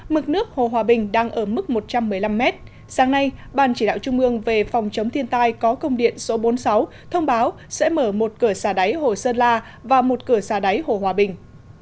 mực nước hồ hòa bình đang ở mức một trăm một mươi năm mét sáng nay ban chỉ đạo trung ương về phòng chống thiên tai có công điện số bốn mươi sáu thông báo sẽ mở một cửa xà đáy hồ sơn la và một cửa xà đáy hồ hòa bình